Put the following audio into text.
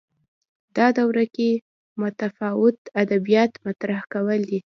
دا دوره کې متفاوت ادبیات مطرح کول